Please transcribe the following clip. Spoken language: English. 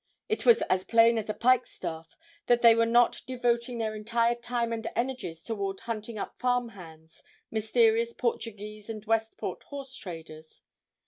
It was as plain as a pike staff that they were not devoting their entire time and energies toward hunting up farm hands, mysterious Portuguese and Westport horse traders.